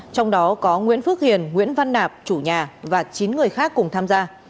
trong đó có nguyễn phước hiền nguyễn văn nạp chủ nhà và chín người khác cùng tham gia